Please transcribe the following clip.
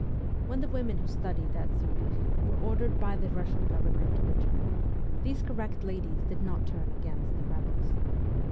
When the women who studied at Zurich were ordered by the Kussian Govern ment to return, these correct ladies did not turn against the rebels.